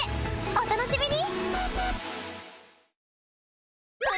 お楽しみに！